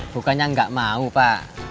bukannya gak mau pak